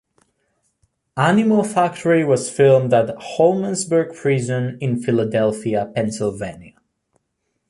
"Animal Factory" was filmed at Holmesburg Prison in Philadelphia, Pennsylvania.